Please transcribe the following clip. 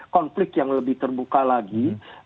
konflik yang lebih terbuka lagi